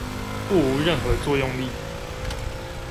故無任何作用力